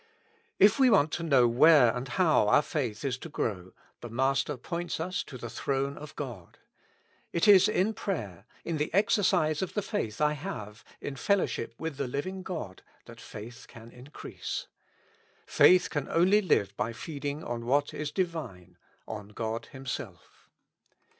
If we want to know where and how our faith is to grow, the Master points us to the throne of God. It is in prayer, in the exercise of the faith I have, in fellowship with the living God, that faith can increase. Faith can only live by feeding on what is Divine, on God Himself.